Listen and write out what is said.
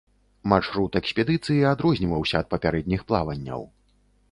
Маршрут экспедыцыі адрозніваўся ад папярэдніх плаванняў.